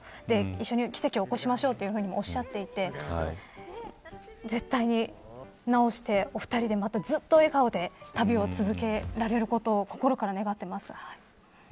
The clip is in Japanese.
一緒に奇跡を起こしましょうともおっしゃっていて絶対に治してお二人でずっと笑顔で旅を続けられることを心から願っています。